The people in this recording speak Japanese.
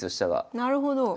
なるほど。